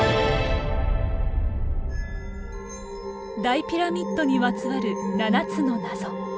大ピラミッドにまつわる七つの謎。